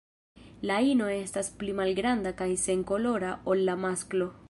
La ino estas pli malgranda kaj senkolora ol la masklo.